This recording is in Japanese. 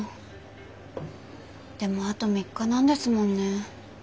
でもあと３日なんですもんね。